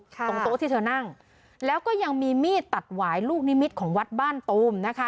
ตรงโต๊ะที่เธอนั่งแล้วก็ยังมีมีดตัดหวายลูกนิมิตของวัดบ้านตูมนะคะ